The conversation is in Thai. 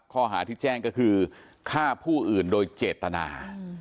ข้อหาที่แจ้งก็คือฆ่าผู้อื่นโดยเจตนา